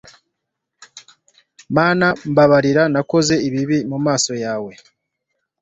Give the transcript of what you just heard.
mana mbabarira nakoze ibibi mu maso yawe